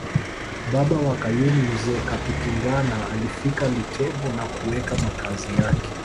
Baba wa Kayuni Mzee Kapitingana alifika Litembo na kuweka makazi yake